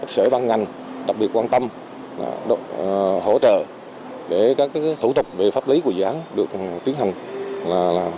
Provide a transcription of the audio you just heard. sở băng ngành đặc biệt quan tâm hỗ trợ để các thủ tục về pháp lý của dự án được tiến hành